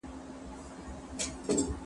یو ږغ باید لږ تر لږه درې کسان تاید کړي.